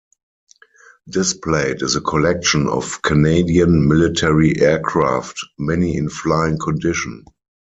Displayed is a collection of Canadian military aircraft, many in flying condition.